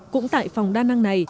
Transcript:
cũng tại phòng đa năng này